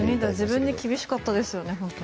自分に厳しかったですよね。